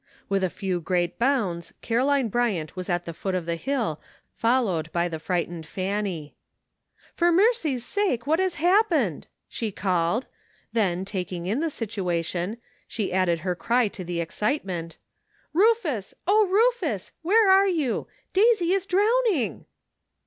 With a few great bounds Caroline Bryant was at the foot of the hill, followed by the fright ened Fanny. " For mercy's sake what has happened ?" she called ; then, taking in the situation^ she added S4 SOMETHING TO REMEMBER. her cry to the excitement. "Rufus, O, Rufus! where are you ? Daisy is drowning